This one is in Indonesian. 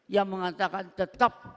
yang mengatakan tetap